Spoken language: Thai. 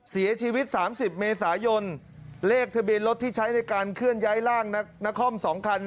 เสียชีวิต๓๐เมษายนเลขทะเบียนรถที่ใช้ในการเคลื่อนย้ายร่างนักนคร๒คัน